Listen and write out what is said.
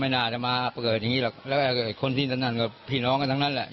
หน้องมาเรียกไปก็ปดไปกับท่าน